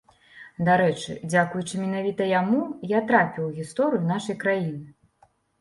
Дарэчы, дзякуючы менавіта яму, я трапіў у гісторыю нашай краіны.